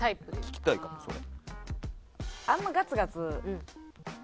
聞きたいかもそれ。